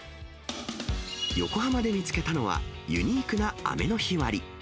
横浜で見つけたのは、ユニークな雨の日割り。